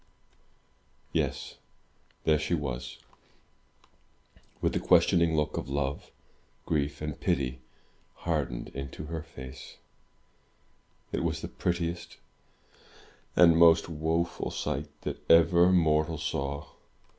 284 THROUGH FAIRY HALLS Yes, there she was, with the questioning look of love, grief, and pity, hardened into her face. It was the prettiest and most woeful sight that ever mortal saw.